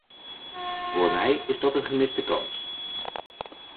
Voor mij is dat een gemiste kans.